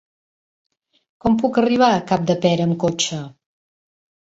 Com puc arribar a Capdepera amb cotxe?